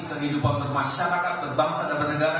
kehidupan bermasyarakat berbangsa dan bernegara